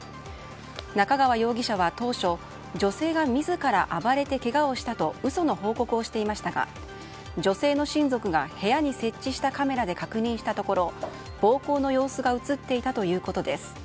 中川容疑者は当初女性が自ら暴れてけがをしたと嘘の報告をしていましたが女性の親族が部屋に設置したカメラで確認したところ、暴行の様子が映っていたということです。